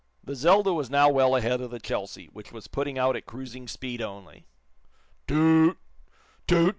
The "Zelda" was now well ahead of the "Chelsea," which was putting out at cruising speed only. Too oot!